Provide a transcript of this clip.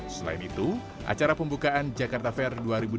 selain itu acara pembukaan jakarta fair dua ribu dua puluh dua